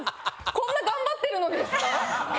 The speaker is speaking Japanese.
こんな頑張ってるのにですか？